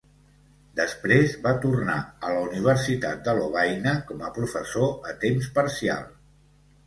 Després va tornar a la Universitat de Lovaina com a professor a temps parcial.